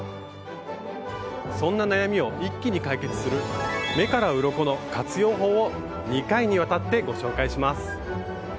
そんな悩みを一気に解決する「目からうろこ」の活用法を２回にわたってご紹介します！